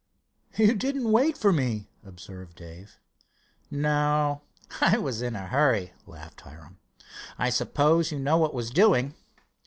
"You didn't wait for me," observed Dave. "No, I was in a hurry," laughed Hiram. "I suppose you know what was doing?"